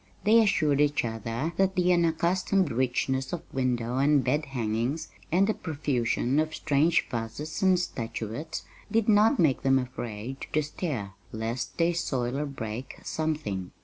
They assured each other that the unaccustomed richness of window and bed hangings and the profusion of strange vases and statuettes did not make them afraid to stir lest they soil or break something.